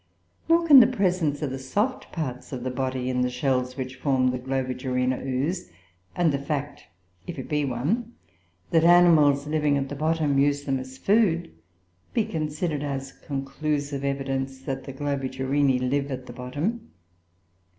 Nor can the presence of the soft parts of the body in the shells which form the Globigerina ooze, and the fact, if it be one, that animals living at the bottom use them as food, be considered as conclusive evidence that the Globigerinoe live at the bottom.